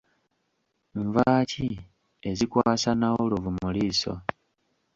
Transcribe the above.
Nva ki ezikwasa Nnawolowu mu liiso?